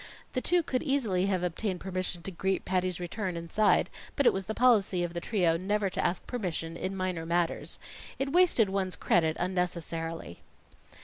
The two could easily have obtained permission to greet Patty's return inside; but it was the policy of the trio never to ask permission in minor matters. It wasted one's credit unnecessarily.